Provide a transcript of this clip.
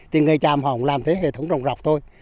thì người tràm họ cũng làm thế hệ thống rồng rọc thôi